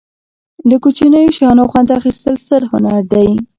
له کوچنیو شیانو خوند اخستل ستر هنر دی.